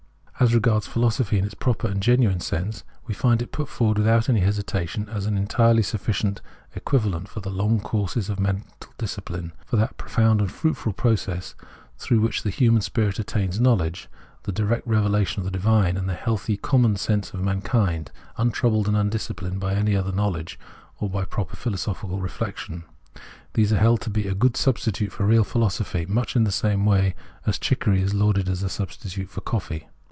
As regards philosophy in its proper and genuine Preface 67 sense, we find put forward without any hesitation, as an entirely sufficient equivalent for the long course of mental discipHne — for that profound and fruitful process through which the human spirit attains to knowledge — the direct revelation of the divine and the healthy common sense of mankind, imtroubled and undisciplined by any other knowledge or by proper philosophical reflection. These are held to be a good substitute for real philosophy, much in the way as chicory is lauded as a substitute for coffee.